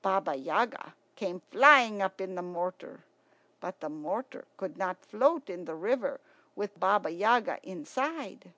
Baba Yaga came flying up in the mortar. But the mortar could not float in the river with Baba Yaga inside.